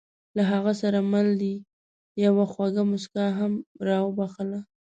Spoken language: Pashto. له هغه سره مل دې یوه خوږه موسکا هم را وبښله.